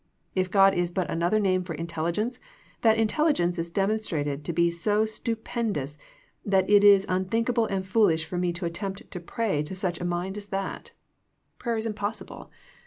If God is but another name for intelli gence, that intelligence is demonstrated to be so stupendous that it is unthinkable and foolish for me to attempt to pray to such a mind as that. THE PLATFOEM OF PEAYER 35 Prayer is impossible.